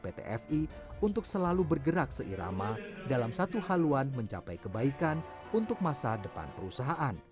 pt fi untuk selalu bergerak seirama dalam satu haluan mencapai kebaikan untuk masa depan perusahaan